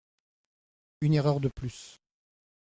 Une erreur de plus.